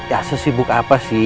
ya sesibuk apa sih